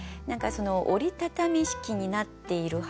折りたたみ式になっている母。